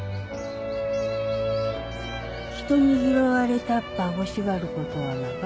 人に拾われたっば欲しがることはなか。